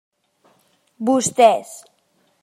Vostès.